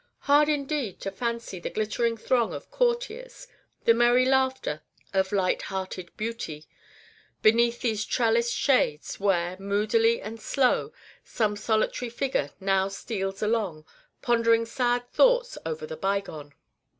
Hard, indeed, to fancy the glittering throng of courtiers, the merry laughter of light hearted beauty, beneath these trellised shades, where, moodily and slow, some solitary figure now steals along, "pondering sad thoughts over the bygone!"